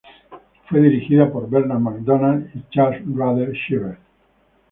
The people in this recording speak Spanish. Fue dirigida por Bernard McDonald y Chas Rader-Shieber.